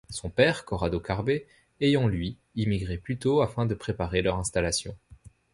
Son père, Corrado Carbe, ayant lui, immigré plus tôt afin de préparer leur installation.